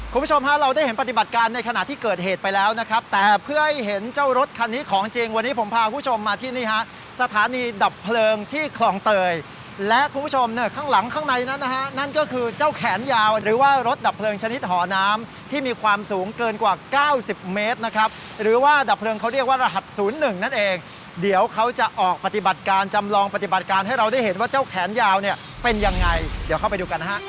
คุณผู้ชมฮะเราได้เห็นปฏิบัติการในขณะที่เกิดเหตุไปแล้วนะครับแต่เพื่อให้เห็นเจ้ารถคันนี้ของจริงวันนี้ผมพาคุณผู้ชมมาที่นี่ฮะสถานีดับเพลิงที่คลองเตยและคุณผู้ชมเนี่ยข้างหลังข้างในนั้นนะฮะนั่นก็คือเจ้าแขนยาวหรือว่ารถดับเพลิงชนิดหอน้ำที่มีความสูงเกินกว่า๙๐เมตรนะครับหรือว่าด